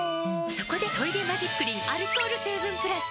そこで「トイレマジックリン」アルコール成分プラス！